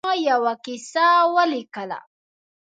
ما یوه کیسه ولیکله.